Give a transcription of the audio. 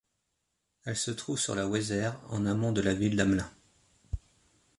Elle se trouve sur la Weser, en amont de la ville d'Hamelin.